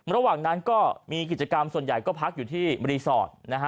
ระหว่างนั้นก็มีกิจกรรมส่วนใหญ่ก็พักอยู่ที่รีสอร์ทนะฮะ